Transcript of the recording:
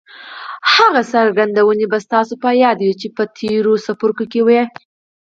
هغه څرګندونې به ستاسې په ياد وي چې په تېرو څپرکو کې وې.